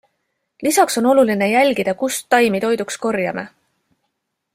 Lisaks on oluline jälgida, kust taimi toiduks korjame.